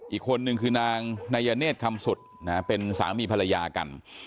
อีกคนนึงคือนางนายเนธคำสุดเป็นสามีภรรยากัน